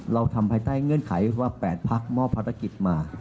เราทำภายใต้เงื่อนไขว่า๘พักมอบภารกิจมา